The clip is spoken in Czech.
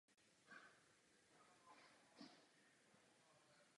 Ten mezi bloky písní vstupuje do děje jako vypravěč.